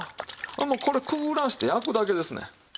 もうこれくぐらせて焼くだけですねん。